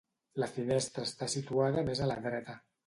La finestra està situada més a la dreta.